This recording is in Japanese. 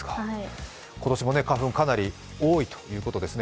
今年も花粉、かなり多いということですね。